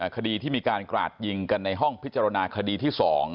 คดีที่มีการกราดยิงกันในห้องพิจารณาคดีที่๒